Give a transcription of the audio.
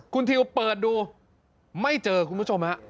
คุณทิวเปิดดูไม่เจอคุณผู้ชมฮะ